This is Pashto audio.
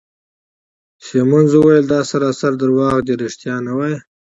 سیمونز وویل: دا سراسر درواغ دي، ریښتیا نه وایې.